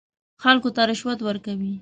خلکو ته رشوت ورکوي.